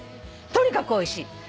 とにかくおいしい。